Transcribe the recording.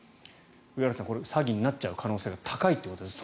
上原さん、これ詐欺になっちゃう可能性が高いということです。